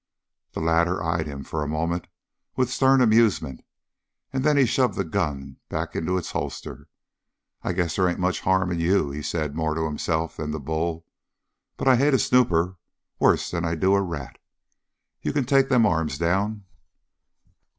The latter eyed him for a moment with stern amusement, and then he shoved the gun back into its holster. "I guess they ain't much harm in you," he said more to himself than to Bull. "But I hate a snooper worse than I do a rat. You can take them arms down."